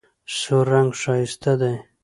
سور رنګ ښایسته دی.